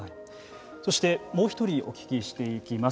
そして、もう一人お聞きしていきます。